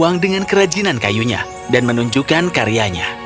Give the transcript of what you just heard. dia mencari uang dengan kerajinan kayunya dan menunjukkan karyanya